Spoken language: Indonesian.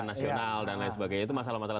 nasional dan lain sebagainya itu masalah masalah